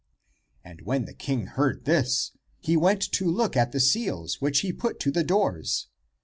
And when the king heard this, he went to look at the seals which he put to the doors.